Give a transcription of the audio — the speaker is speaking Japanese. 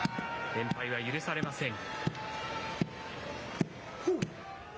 連敗は許されません。